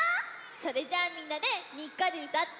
それじゃあみんなでにっこりうたって。